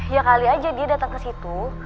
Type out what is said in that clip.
ya kali aja dia datang ke situ